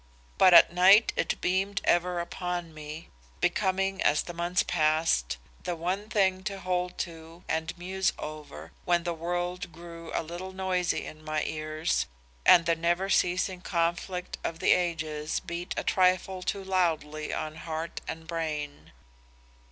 But at night it beamed ever upon me, becoming as the months passed, the one thing to hold to and muse over when the world grew a little noisy in my ears and the never ceasing conflict of the ages beat a trifle too loudly on heart and brain.